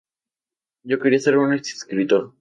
Yo quería ser un escritor.